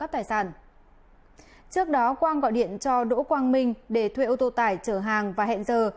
trước đó quang gọi điện cho đỗ quang minh để thuê ô tô tải chở hàng và hẹn giờ